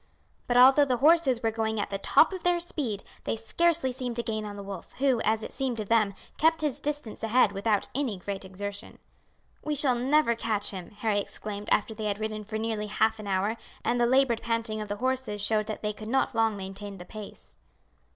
But although the horses were going at the top of their speed they scarcely seemed to gain on the wolf, who, as it seemed to them, kept his distance ahead without any great exertion. "We shall never catch him," Harry exclaimed after they had ridden for nearly half an hour, and the laboured panting of the horses showed that they could not long maintain the pace.